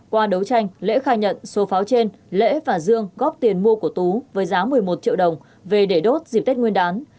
qua đấu tranh lễ khai nhận số pháo trên lễ và dương góp tiền mua của tú với giá một mươi một triệu đồng về để đốt dịp tết nguyên đán